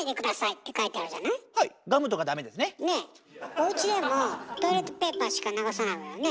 おうちでもトイレットペーパーしか流さないわよね？